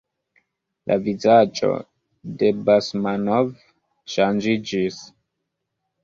La vizaĝo de Basmanov ŝanĝiĝis.